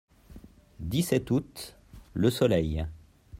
dix-sept août., Le Soleil.